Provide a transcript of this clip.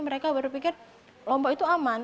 mereka berpikir lombok itu aman